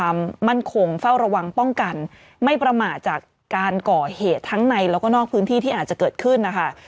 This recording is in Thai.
ความมั่นคงเฝ้าระวังป้องกันไม่ประมาทจากการก่อเหตุทั้งในแล้วก็นอกพื้นที่ที่อาจจะเกิดขึ้นนะคะ